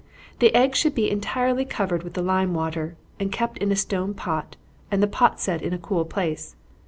The eggs should be entirely covered with the lime water, and kept in a stone pot, and the pot set in a cool place.